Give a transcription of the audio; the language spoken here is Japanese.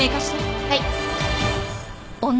はい。